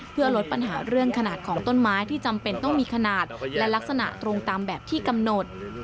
เพื่อลดปัญหาเรื่องขนาดของต้นไม้ที่จำเป็นต้องมีขนาดและลักษณะตรงตามแบบที่กำหนด